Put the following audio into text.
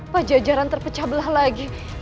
pajajaran terpecah belah lagi